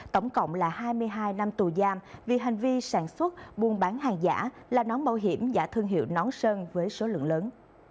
tổng cộng là hai mươi hai năm tù giam vì hành vi sản xuất buôn bán hàng giả là nón bảo hiểm giả thương hiệu nón sơn với số lượng lớn